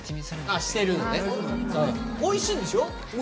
おいしいんでしょ？